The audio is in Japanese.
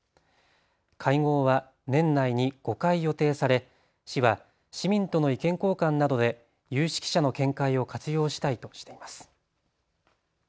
会合は年内に５回予定され市は市民との意見交換などで有識者の見解を活用したいとしています。